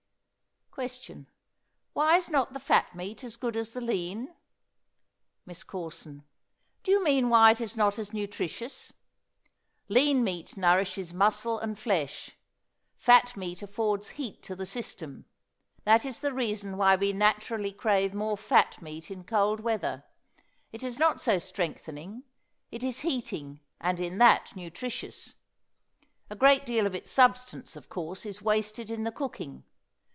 Question. Why is not the fat meat as good as the lean? MISS CORSON. Do you mean why is it not as nutritious? Lean meat nourishes muscle and flesh. Fat meat affords heat to the system. That is the reason why we naturally crave more fat meat in cold weather. It is not so strengthening; it is heating and in that nutritious. A great deal of its substance, of course, is wasted in the cooking.